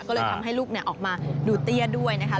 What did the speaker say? ก็เลยทำให้ลูกออกมาดูเตี้ยด้วยนะคะ